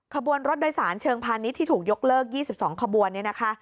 ขบวนรถโดยสารเชิงพาณิชย์ที่ถูกยกเลิก๒๒ขบวนเนี่ยนะคะ